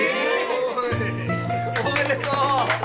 おいおめでとう。